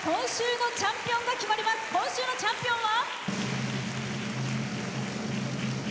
今週のチャンピオンは。